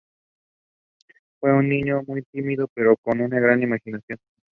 The residents were Sunni Muslims and Greek Orthodox.